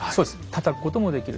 たたくこともできる。